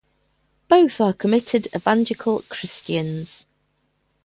Both are committed evangelical Christians.